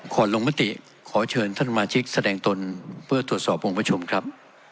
ขอลงมติขอเชิญทางมาชิกแสดงตนเพื่อตรวจสอบวงผู้ชมครับ